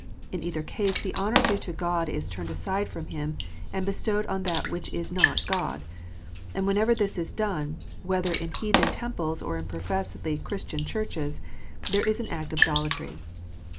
In either case the honour due to God is turned aside from Him, and bestowed on that which is not God. And whenever this is done, whether in heathen temples or in professedly Christian churches, there is an act of idolatry.